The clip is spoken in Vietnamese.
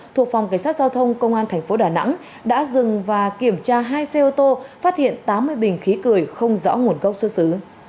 thuộc phòng cảnh sát giao thông công an tp đà nẵng đã dừng và kiểm tra hai xe ô tô phát hiện tám mươi bình khí cười không rõ nguồn gốc xuất xứ